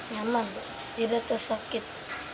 nyaman tidak ter sakit